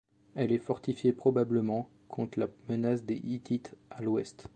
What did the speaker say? Elle est fortifiée, probablement contre la menace des Hittites à l'ouest.